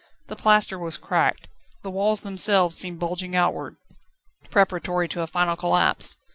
The plaster was cracked, the walls themselves seemed bulging outward, preparatory to a final collapse.